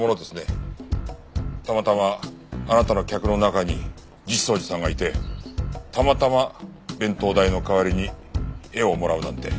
たまたまあなたの客の中に実相寺さんがいてたまたま弁当代の代わりに絵をもらうなんて。